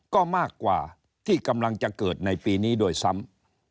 ก็มากกว่าที่กำลังจะเกิดในปีนี้ด้วยซ้ำ